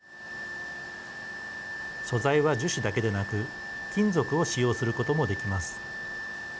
素材は樹脂だけでなく金属を使用することもできます。